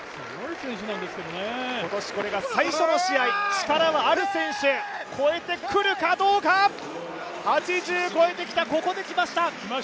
今年最初の試合力はある選手、越えてくるかどうか８０越えてきた、ここできました。